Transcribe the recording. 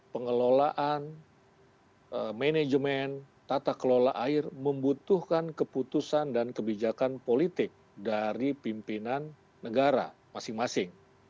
pengelolaan manajemen tata kelola air membutuhkan keputusan dan kebijakan politik dari pimpinan negara masing masing